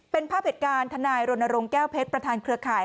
เป็นภาพเหตุการณ์ทนายรณรงค์แก้วเพชรประธานเครือข่าย